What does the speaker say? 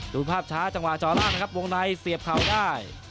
ดูภาพช้าจังหวะจอล่างนะครับวงในเสียบเข่าได้